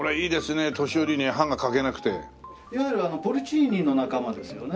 いわゆるポルチーニの仲間ですよね。